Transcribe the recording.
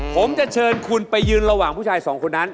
ผมจะเชิญคุณไปยืนระหว่างผู้ชายสองคนนั้น